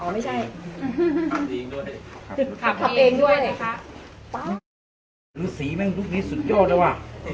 อ๋อไม่ใช่ขับตัวเองด้วยขับตัวเองด้วยนะคะรื้อสีแม่งลูกนี้สุดยอดแล้วอ่ะ